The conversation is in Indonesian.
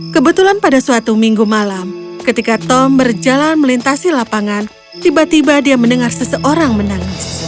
kebetulan pada suatu minggu malam ketika tom berjalan melintasi lapangan tiba tiba dia mendengar seseorang menangis